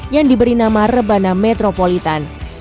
yang diberi nama rebana metropolitan